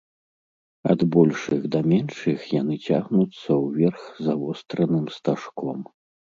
Ад большых да меншых яны цягнуцца ўверх завостраным стажком.